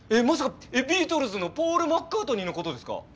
まさかビートルズのポール・マッカートニーのことですか？